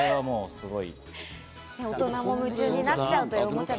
大人も夢中になっちゃうというん！